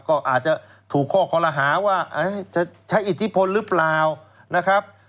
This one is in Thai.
ก็อาจจะถูกข้อคอลหาว่าจะใช้อิทธิพลหรือเปล่านะครับ